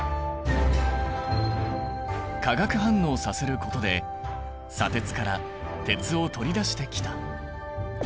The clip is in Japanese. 化学反応させることで砂鉄から鉄を取り出してきた。